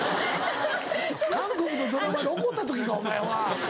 韓国のドラマで怒った時かお前は。